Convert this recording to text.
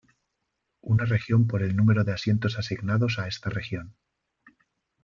Una región por el número de asientos asignados a esta región.